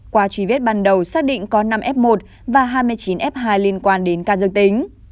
qua truy vết ban đầu xác định có năm f một và hai mươi chín f hai liên quan đến ca dương tính